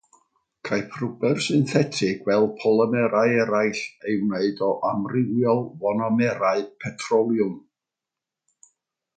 Caiff rwber synthetig, fel polymerau eraill, ei wneud o amrywiol fonomerau petroliwm.